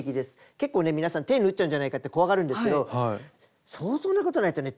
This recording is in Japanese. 結構ね皆さん手縫っちゃうんじゃないかって怖がるんですけど相当なことないとね